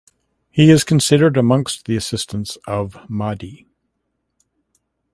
He is considered amongst the assistants of Mahdi.